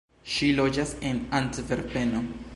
Ŝi loĝas en Antverpeno.